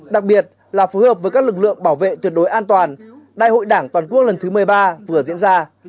đặc biệt là phối hợp với các lực lượng bảo vệ tuyệt đối an toàn đại hội đảng toàn quốc lần thứ một mươi ba vừa diễn ra